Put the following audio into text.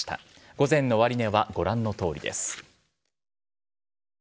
午前の終値はご覧のとおりです。